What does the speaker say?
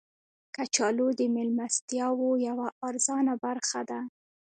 کچالو د میلمستیاو یوه ارزانه برخه ده